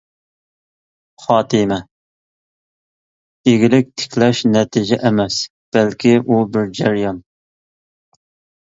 خاتىمە: ئىگىلىك تىكلەش نەتىجە ئەمەس، بەلكى ئۇ بىر جەريان.